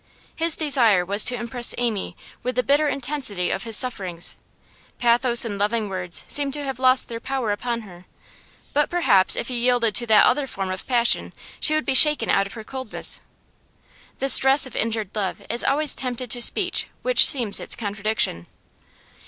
His desire was to impress Amy with the bitter intensity of his sufferings; pathos and loving words seemed to have lost their power upon her, but perhaps if he yielded to that other form of passion she would be shaken out of her coldness. The stress of injured love is always tempted to speech which seems its contradiction.